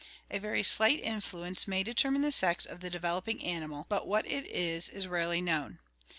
A very slight influence may de termine the sex of the developing animal, but what it is is rarely known.